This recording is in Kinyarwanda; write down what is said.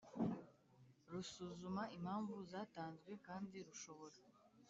Rusuzuma Impamvu Zatanzwe Kandi Rushobora